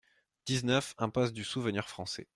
dix-neuf impasse du Souvenir Français